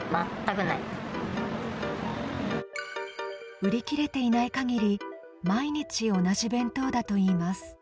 売り切れていない限り毎日、同じ弁当だといいます。